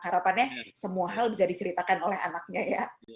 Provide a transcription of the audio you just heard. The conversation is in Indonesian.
harapannya semua hal bisa diceritakan oleh anaknya ya